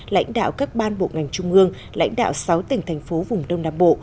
lãnh đạo các ban bộ ngành trung ương lãnh đạo sáu tỉnh thành phố vùng đông nam bộ